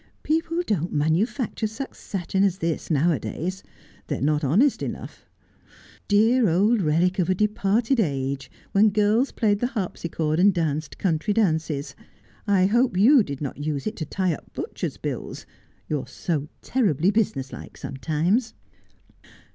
' People don't manufacture such satin as this now a days. They are not honest enough. Dear old relic of a departed age, when girls played the harpsichord and danced country dances ! I hope you did not use it to tie up butchers' bills. You are so terribly business like sometimes.'